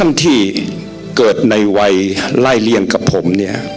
ท่านที่เกิดในวัยไล่เลี่ยงกับผมเนี่ย